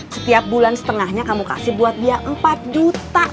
setiap bulan setengahnya kamu kasih buat dia empat juta